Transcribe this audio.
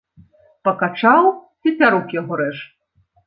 Пакачаў, цецярук яго рэж.